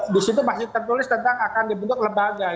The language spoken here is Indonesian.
di situ masih tertulis tentang akan dibentuk lembaga